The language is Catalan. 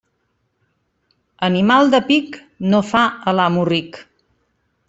Animal de pic no fa a l'amo ric.